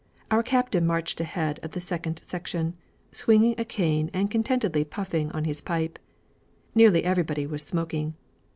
Our captain marched ahead of the second section, swinging a cane and contentedly puffing on his pipe. Nearly everybody was smoking.